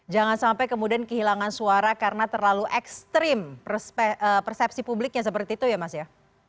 jangan sampai kemudian kehilangan suara karena terlalu ekstrim persepsi publiknya seperti itu ya mas ya